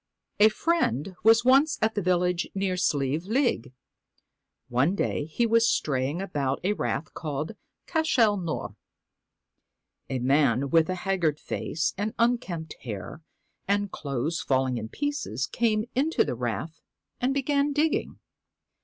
A friend was once at a village near Sleive League. One day he was straying about a rath called ' Cashel Nore.' A man with a haggard face and unkempt hair, and clothes falling in pieces, came into the rath and began digging.